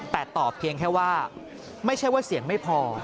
แต่ตอบเพียงแค่ว่าไม่ใช่ว่าเสียงไม่พอ